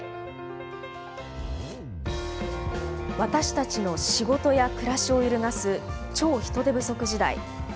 私たちの仕事や暮らしを揺るがす「超・人手不足時代」。